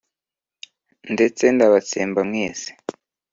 Ndetse ndabatsemba mwese.»